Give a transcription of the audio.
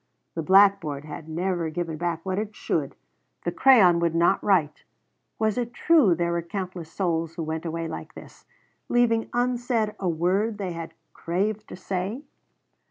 The blackboard had never given back what it should; the crayon would not write. Was it true there were countless souls who went away like this leaving unsaid a word they had craved to say?